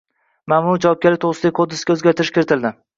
Ma’muriy javobgarlik to‘g‘risidagi kodeksga o‘zgartirish kiritildi